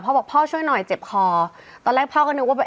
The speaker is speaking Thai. บอกพ่อช่วยหน่อยเจ็บคอตอนแรกพ่อก็นึกว่า